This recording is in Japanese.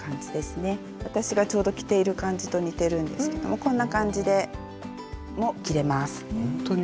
私がちょうど着ている感じと似てるんですけどもこんな感じでも着れます。